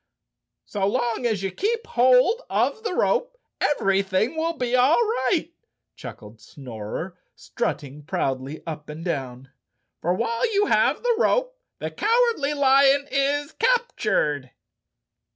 " So long as you keep hold of the rope everything will be all right," chuckled Snorer strutting proudly up and down, "for while you have the rope the Cowardly Lion is captured."